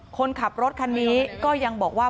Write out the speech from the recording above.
คนขับรถคันนี้ก็ยังบอกว่า